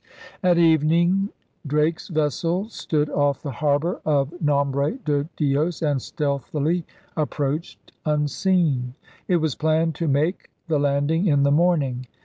At evening Drake's vessel stood off the harbor of Nombre de Dios and stealthily approached unseen. It was planned to make the landing in the morning.